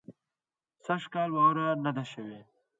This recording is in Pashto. سږ کال واوره نۀ ده شوې